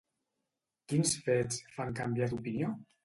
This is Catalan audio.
Quins fets fan canviar d'opinió?